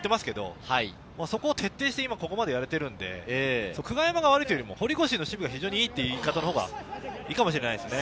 そこを徹底してやれているので、久我山が悪いというよりも堀越の守備が非常にいいという言い方のほうがいいかもしれませんね。